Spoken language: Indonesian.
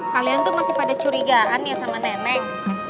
kalian tuh masih pada curigaan ya sama nenek